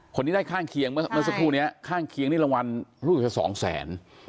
คนที่ได้ข้างเคียงเมื่อสักครู่นี้ข้างเคียงนี่รางวัลรู้สึกแค่สองแสน